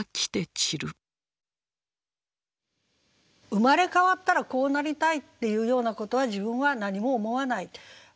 「生まれ変わったらこうなりたいっていうようなことは自分は何も思わない。